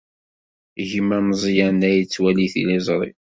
Gma ameẓyan la yettwali tiliẓri.